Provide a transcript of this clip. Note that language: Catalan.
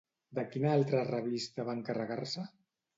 De quina altra revista va encarregar-se?